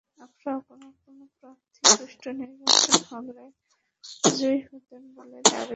কোনো কোনো প্রার্থী সুষ্ঠু নির্বাচন হলে জয়ী হতেন বলে দাবি করেছেন।